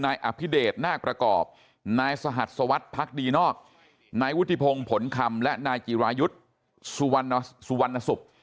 นายอภิเดชนาคประกอบนายสหัสสวัสดิ์พักดีนอกนายวุฒิพงศ์ผลคำและนายจิรายุทธ์สุวรรณสุวรรณสุข